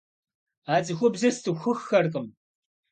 А цӀыхубзыр сцӀыхуххэркъым.